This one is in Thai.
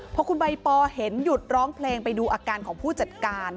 พอคุณใบปอเห็นหยุดร้องเพลงไปดูอาการของผู้จัดการ